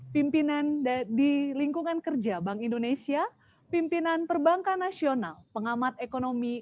pimpinan di lingkungan kerja bank indonesia pimpinan perbankan nasional pengamat ekonomi